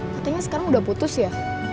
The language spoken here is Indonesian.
katanya sekarang udah putus ya